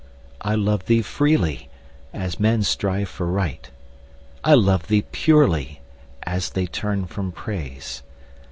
I love thee freely, as men strive for Right; I love thee purely, as they turn from Praise.